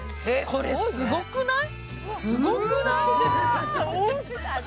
これすごくない？